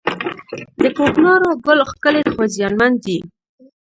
د کوکنارو ګل ښکلی خو زیانمن دی